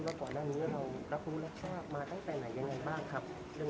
แล้วก็ต่อด้านนี้เรารับคุณรักษามาตั้งแต่ไหนยังไงบ้างครับ